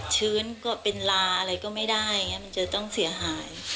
ชื้นเป็นลาอะไรก็ไม่ได้มันจะต้องเสียหาย